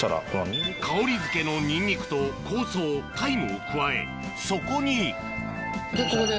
香りづけのニンニクと香草タイムを加えそこにここで？